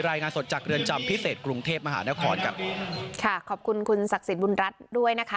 รายงานสดจากเรือนจำพิเศษกรุงเทพมหานครครับค่ะขอบคุณคุณศักดิ์สิทธิบุญรัฐด้วยนะคะ